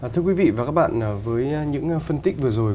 thưa quý vị và các bạn với những phân tích vừa rồi